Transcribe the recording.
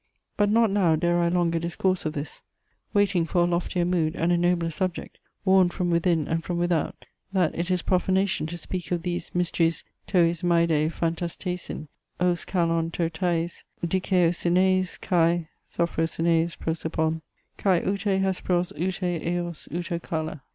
But not now dare I longer discourse of this, waiting for a loftier mood, and a nobler subject, warned from within and from without, that it is profanation to speak of these "mysteries tois maede phantasteisin, os kalon to taes dikaiosynaes kai sophrosynaes prosopon, kai oute hesperos oute eoos outo kala.